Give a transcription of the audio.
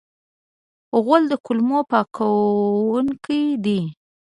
غول د کولمو پاکونکی دی.